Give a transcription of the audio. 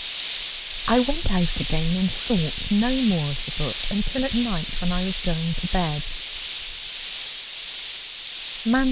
I went out again, and thought no more of the book until at night, when I was going to bed.